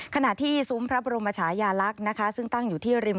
ขณะที่ซุ้มพระบรมชายาลักษณ์นะคะซึ่งตั้งอยู่ที่ริม